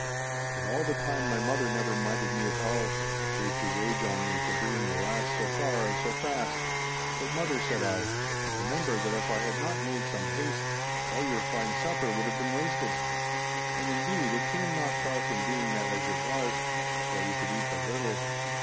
But all the time my mother never minded me at all, save to rage on me for bringing the lass so far and so fast. 'But, mother,' said I, 'remember that if I had not made some haste, all your fine supper would have been wasted.' And indeed it came not far from being that as it was, for we could eat but little.